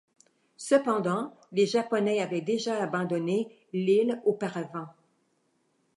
Cependant, les Japonais avaient déjà abandonné l'île auparavant.